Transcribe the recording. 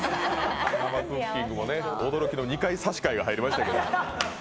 生クッキングも、驚きの２回差し替えが入りましたけど。